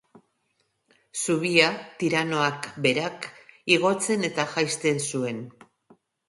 Zubia tiranoak berak igotzen eta jaisten zuen.